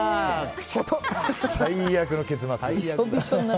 最悪の結末。